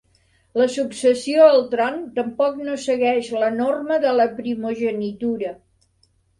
La successió al tron tampoc no segueix la norma de la primogenitura.